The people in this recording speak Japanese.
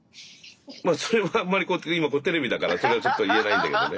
まあそれはあんまり今これテレビだからそれはちょっと言えないんだけどね。